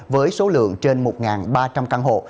với số lượng trên một ba trăm linh căn hộ